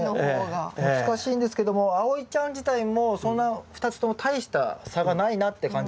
これね難しいんですけどもあおいちゃん自体もそんな２つとも大した差がないなって感じたそうなんですよ。